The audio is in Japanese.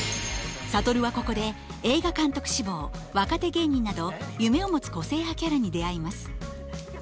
諭はここで映画監督志望若手芸人など夢を持つ個性派キャラに出会います。